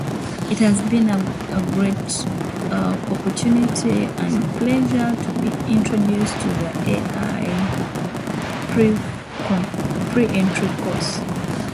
Every creak and whisper made them jump, their faces twisted in grins of fear.